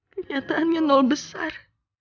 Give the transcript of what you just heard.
kenyataannya nol besar